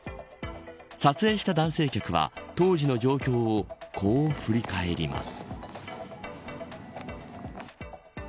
撮影した男性客は当時の状況をこう振り返ります。